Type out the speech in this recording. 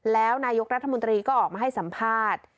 แล้วนายกรัฐมนตรีก็ออกมาให้สัมภาษณ์